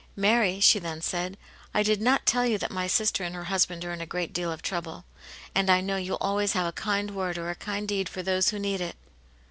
" Mary," she then said, " I did not tell you that my sister and her husband are in a great deal of trouble. And I know you always have a kind word or a kind deed for those who need it."